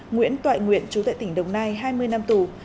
nguyễn tội nguyễn chú tại tỉnh đồng nai hai mươi năm tù